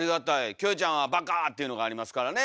キョエちゃんは「バカー」っていうのがありますからね。